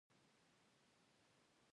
د هګیو د پاکوالي لپاره باید څه شی وکاروم؟